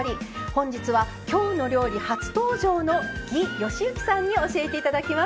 本日は「きょうの料理」初登場の魏禧之さんに教えて頂きます。